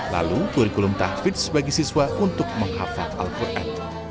lalu kurikulum tahfiz bagi siswa untuk menghafal al quran